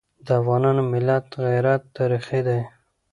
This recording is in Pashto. د افغان ملت غیرت تاریخي دی.